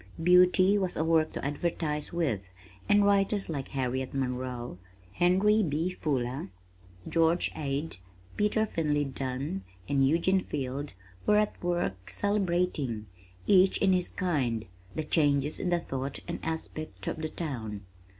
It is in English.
Beauty was a work to advertise with, and writers like Harriet Monroe, Henry B. Fuller, George Ade, Peter Finley Dunne, and Eugene Field were at work celebrating, each in his kind, the changes in the thought and aspect of the town.